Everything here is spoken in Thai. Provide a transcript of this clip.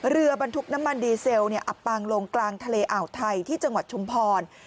เรือบรรทุกน้ำมันดีเซลอับปางลงกลางทะเลอ่าวไทยที่จังหวัดชุมพร